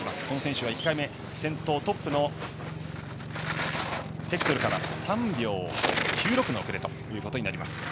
この選手は１回目先頭トップのヘクトルから３秒９６の遅れとなります。